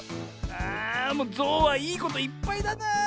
あもうゾウはいいこといっぱいだな。